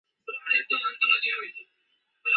江西省新昌县棠浦镇沐溪村人。